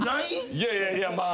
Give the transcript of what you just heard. いやいやいやまあ。